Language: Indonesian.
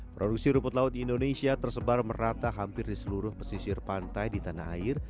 produksi rumput laut di indonesia tersebar merata hampir di seluruh pesisir pantai di tanah air